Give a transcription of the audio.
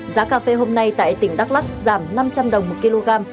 giá cà phê hôm nay tại tỉnh đắk lắc giảm năm trăm linh đồng một kg